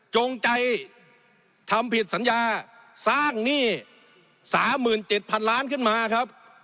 จงใจทำผิดสัญญาสร้างหนี้๓๗๐๐๐ล้านขึ้นมาครับ